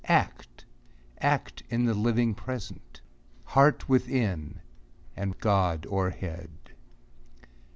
Act, — act in the living Present ! Heart within, and God o'erhead